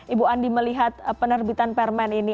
ibu andi melihat penerbitan permen ini